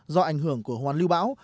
do ảnh hưởng của hoàn lưu bão